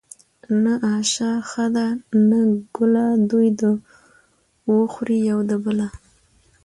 ـ نه آشه ښه ده نه ګله دوي د وخوري يو د بله.